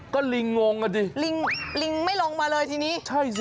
ก็ริงง้องกันสิลิงไม่ลงมาเลยทีนี้